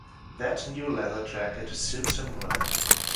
That new leather jacket suits him well.